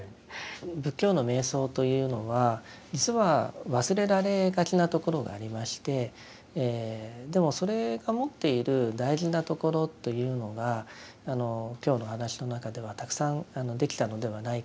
仏教の瞑想というのは実は忘れられがちなところがありましてでもそれが持っている大事なところというのが今日の話の中ではたくさんできたのではないかなと思います。